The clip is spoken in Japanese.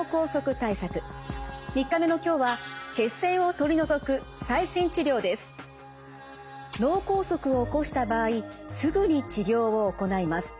今週は３日目の今日は脳梗塞を起こした場合すぐに治療を行います。